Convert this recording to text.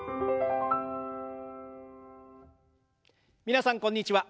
皆さんこんにちは。